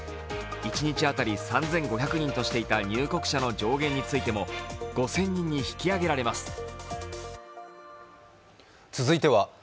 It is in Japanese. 一日当たり３５００人としていた入国者の上限についても５０００人に引き上げられます。